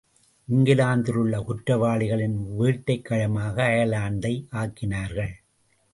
இங்கிலாந்திலுள்ள குற்றவாளிகளின் வேட்டைக் களமாக அயர்லாந்தை ஆக்கினார்கள்.